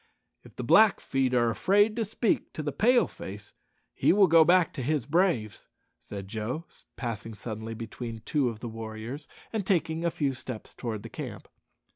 "If the Blackfeet are afraid to speak to the Pale face, he will go back to his braves," said Joe, passing suddenly between two of the warriors and taking a few steps towards the camp.